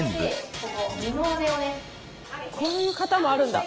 こういう形もあるんだ。